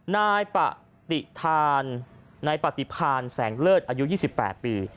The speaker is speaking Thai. นายปะติธานนายปฏิพานแสงเลิศอายุ๒๘ปี